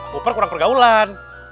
cooper kurang pergaulan